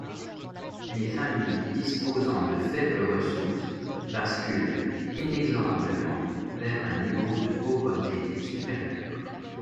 Les familles disposant de faibles ressources basculent inexorablement vers un niveau de pauvreté supérieur.